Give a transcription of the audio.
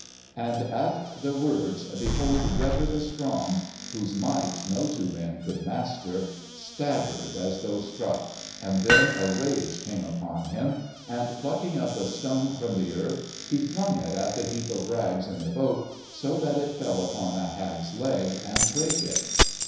And at the words behold, Grettir the Strong, whose might no two men could master, staggered as though struck, and then a rage came upon him, and plucking up a stone from the earth, he flung it at the heap of rags in the boat, so that it fell upon the hag's leg and brake it.